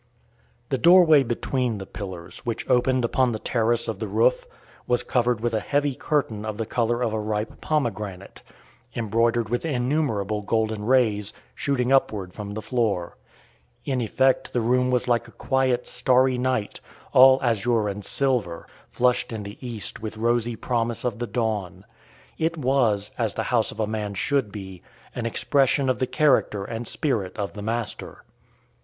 The doorway between the pillars, which opened upon the terrace of the roof, was covered with a heavy curtain of the colour of a ripe pomegranate, embroidered with innumerable golden rays shooting upward from the floor. In effect the room was like a quiet, starry night, all azure and silver, flushed in the East with rosy promise of the dawn. It was, as the house of a man should be, an expression of the character and spirit of the master.